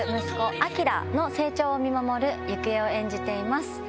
息子旭の成長を見守る幸恵を演じています。